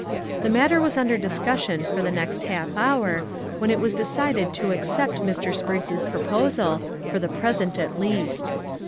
The matter was under discussion for the next half hour, when it was decided to accept Mr. Spriggs' proposal, for the present at least.